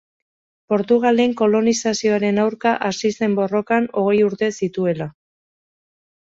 Portugalen kolonizazioaren aurka hasi zen borrokan, hogei urte zituela.